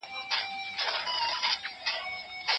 هغه پاچا چي اسراف کوي ماتیږي.